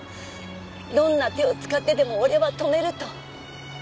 「どんな手を使ってでも俺は止める」と。